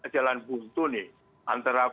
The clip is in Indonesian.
jalan buntu nih antara